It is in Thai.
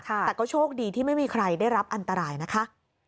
แต่ก็โชคดีที่ไม่มีใครได้รับอันตรายนะคะ